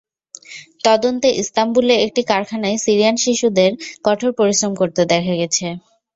তদন্তে ইস্তাম্বুলে একটি কারখানায় সিরিয়ান শিশুদের কঠোর পরিশ্রম করতে দেখা গেছে।